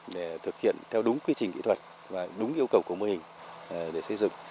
để thực hiện theo đúng quy trình kỹ thuật và đúng yêu cầu của mô hình để xây dựng